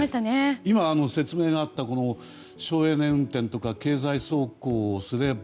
今、説明があった省エネ運転とか経済走行をすれば。